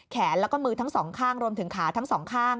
แล้วก็มือทั้งสองข้างรวมถึงขาทั้งสองข้าง